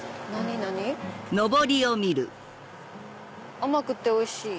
「甘くておいしい！